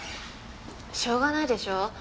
しょうがないでしょ。